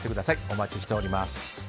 お待ちしております。